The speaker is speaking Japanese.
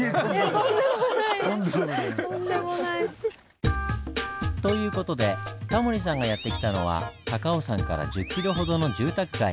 とんでもない。という事でタモリさんがやって来たのは高尾山から１０キロほどの住宅街。